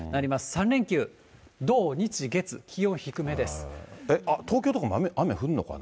３連休、土、日、月、気東京とかも雨降るのかな？